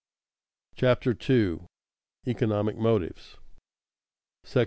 CHAPTER 2 ECONOMIC MOTIVES § I.